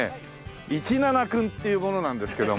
イチナナ君っていう者なんですけども。